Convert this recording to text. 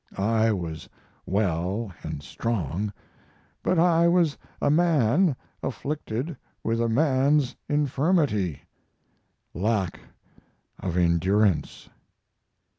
I was well and strong, but I was a man, afflicted with a man's infirmity lack of endurance."